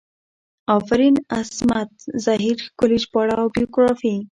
افرین عصمت زهیر ښکلي ژباړه او بیوګرافي